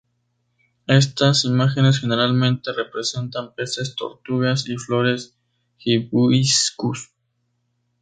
Estas imágenes generalmente representan peces, tortugas y flores hibiscus.